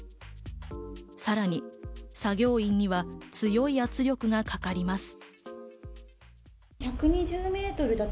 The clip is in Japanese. さらに作業員には強い圧力がかかります。